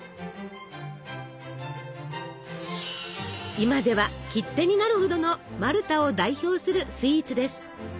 今では切手になるほどのマルタを代表するスイーツです。